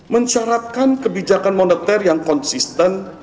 mensyaratkan kebijakan moneter yang konsisten